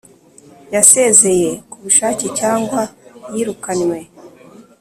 Yasezeye ku bushake cyangwa yirukanywe